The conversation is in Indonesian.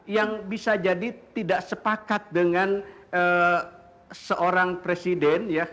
yang bisa jadi tidak sepakat dengan seorang presiden